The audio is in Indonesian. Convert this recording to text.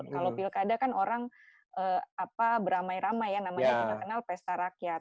kalau pilkada kan orang beramai ramai ya namanya kita kenal pesta rakyat